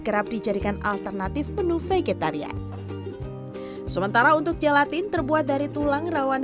kerap dijadikan alternatif penuh vegetalian sementara untuk gelatin terbuat dari tulang rawan